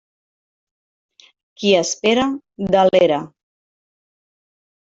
Qui espera delera.